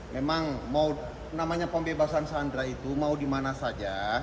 memang mau namanya pembebasan sandra itu mau di mana saja